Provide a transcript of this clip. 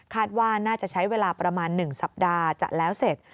ว่าน่าจะใช้เวลาประมาณ๑สัปดาห์จะแล้วเสร็จ